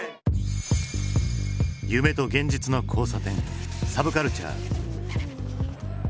夢と現実の交差点サブカルチャー。